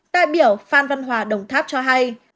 đại biểu phan văn hòa đồng tháp cho hay